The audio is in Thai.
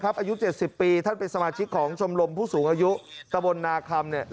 อายุ๗๐ปีท่านเป็นสมาชิกของชมรมผู้สูงอายุตะบลนาคำ